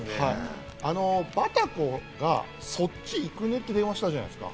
バタコが、「そっち行くね」って電話したじゃないですか。